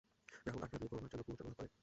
রাবণ আটবার বিয়ে করার জন্য পুনর্জন্ম লাভ করে?